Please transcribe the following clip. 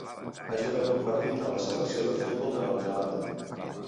Ha jugat un partit en la selecció de futbol de Nova Zelanda.